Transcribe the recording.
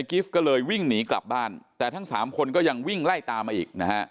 กิฟต์ก็เลยวิ่งหนีกลับบ้านแต่ทั้งสามคนก็ยังวิ่งไล่ตามมาอีกนะฮะ